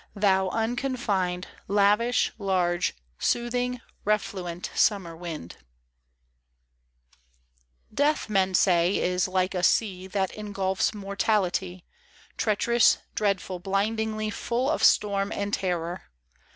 Thou unconfined. Lavish, large, soothing, refluent summer wind 1 DEATH, men say, is like a sea That engulfs mortality, Treacherous, dreadful, blindingly Full of storm and terror.